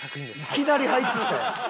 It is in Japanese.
いきなり入ってきたやん。